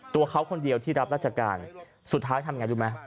ตัวเขาคนเดียวที่รับราชการสุดท้ายทำอย่างไรรู้ไหม